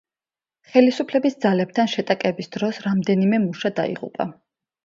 ხელისუფლების ძალებთან შეტაკების დროს რამდენიმე მუშა დაიღუპა.